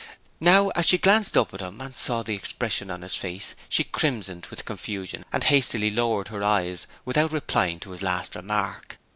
Now, as she glanced up at him and saw the expression on his face she crimsoned with confusion and hastily lowered her eyes without replying to his last remark.